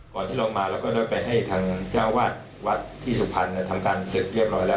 ก่อนที่เรามาเราก็ได้ไปให้ทางเจ้าวาดวัดที่สุพรรณทำการเสร็จเรียบร้อยแล้ว